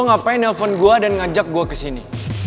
lu ngapain nelfon gue dan ngajak gue kesini